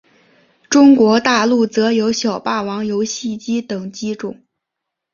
中国大陆则有小霸王游戏机等机种。